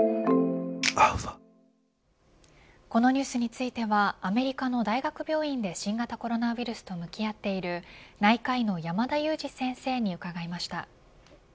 このニュースについてはアメリカの大学病院で新型コロナウイルスと向き合っている内科医の山田悠史先生に伺いました。